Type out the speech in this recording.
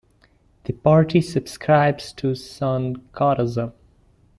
The party subscribes to Sankarism.